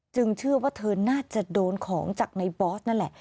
เชื่อว่าเธอน่าจะโดนของจากในบอสนั่นแหละ